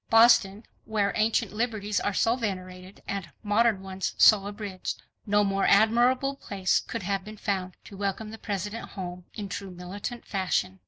Boston, where ancient liberties are so venerated, and modern ones so abridged. No more admirable place could have been found to welcome the President home in true militant fashion.